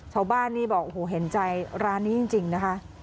ชาวบ้านนี่บอกโอ้โหเห็นใจร้านนี้จริงนะคะ